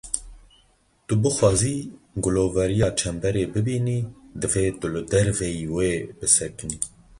Tu bixwazî giloveriya çemberê bibînî, divê tu li derveyî wê bisekinî.